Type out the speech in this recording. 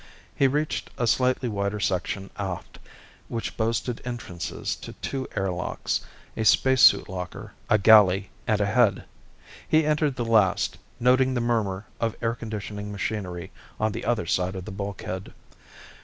He reached a slightly wider section aft, which boasted entrances to two air locks, a spacesuit locker, a galley, and a head. He entered the last, noting the murmur of air conditioning machinery on the other side of the bulkhead.